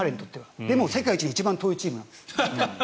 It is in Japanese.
でも、世界一に一番遠いチームなんです。